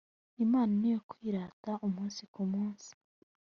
imana ni yo twirata umunsi kumusi.